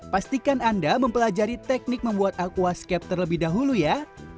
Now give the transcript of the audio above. pastikan anda mempelajari teknik membuat aquascape terlebih dahulu ya